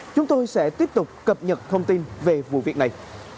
chúng tôi sẽ tiếp tục cập nhật thông tin về vụ việc này